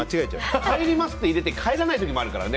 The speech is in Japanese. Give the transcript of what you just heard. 帰りますと言って帰らない時もあるからね。